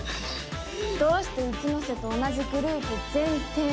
どうして一ノ瀬と同じグループ前提なわけ？